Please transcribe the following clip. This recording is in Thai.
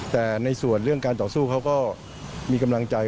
แต่ในส่วนเรื่องการต่อสู้เขาก็มีกำลังใจ